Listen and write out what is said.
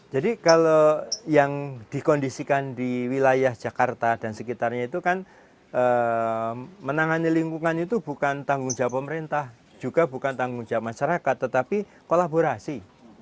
jadi kalau yang dikondisikan di wilayah jakarta dan sekitarnya itu kan menangani lingkungan itu bukan tanggung jawab pemerintah juga bukan tanggung jawab masyarakat tetapi kolaborasi